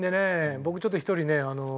僕ちょっと１人ね魔球